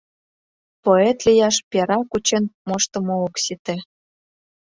Поэт лияш пера кучен моштымо ок сите.